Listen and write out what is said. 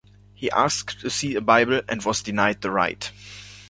He asked to see a bible and was denied the right.